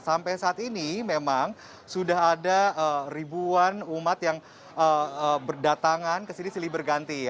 sampai saat ini memang sudah ada ribuan umat yang berdatangan ke sini silih berganti